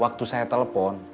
waktu saya telepon